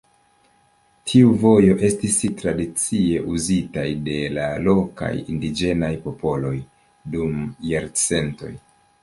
Tiu vojo estis tradicie uzitaj de la lokaj indiĝenaj popoloj dum jarcentoj.